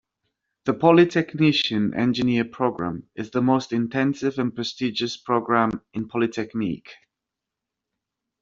The Polytechnicien engineer program is the most intensive and prestigious program in Polytechnique.